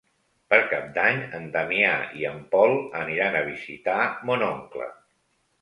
Per Cap d'Any en Damià i en Pol aniran a visitar mon oncle.